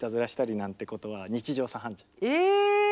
え！